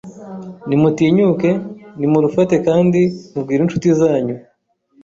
Nimutinyuke, nimurufate kandi mubwire inshuti zanyu